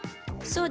そう。